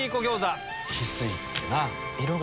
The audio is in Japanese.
翡翠ってな。